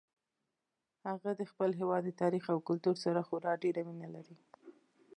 هغه د خپل هیواد د تاریخ او کلتور سره خورا ډیره مینه لري